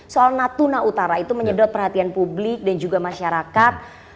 soal natuna utara itu menyedot perhatian publik dan juga masyarakat